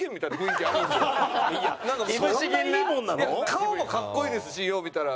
顔もかっこいいですしよう見たら。